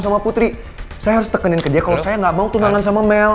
sama putri saya harus tekenin ke dia kalau saya gak mau tunangan sama mel